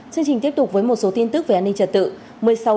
chương trình tiếp tục với một số tin tức về an ninh trật tự